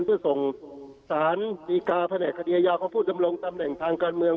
เพื่อส่งสารดีกาแผนกคดีอายาของผู้ดำรงตำแหน่งทางการเมือง